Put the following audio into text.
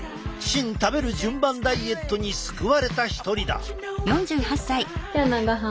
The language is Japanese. シン食べる順番ダイエットに救われた一人だ。